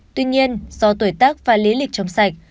tuy nhiên do tuổi tắc và lý lịch trong sạch